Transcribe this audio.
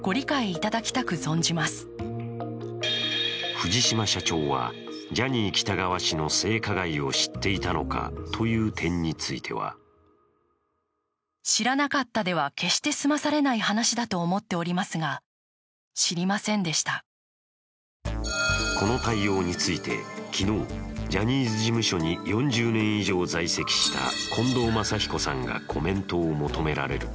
藤島社長は、ジャニー喜多川氏の性加害を知っていたのかという点についてはこの対応について昨日、ジャニーズ事務所に４０年以上在籍した近藤真彦さんがコメントを求められると